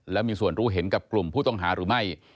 และมีส่วนรู้เห็นกับกลุ่มผู้ต้องหาหรือไม่